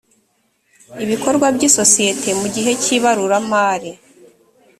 ibikorwa by isosiyete mu gihe cy ibaruramari